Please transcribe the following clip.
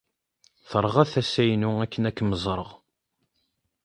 Terɣa tasa-inu akken ad kem-ẓreɣ.